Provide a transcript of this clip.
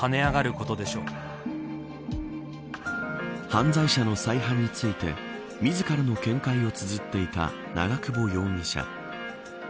犯罪者の再犯について自らの見解をつづっていた長久保容疑者。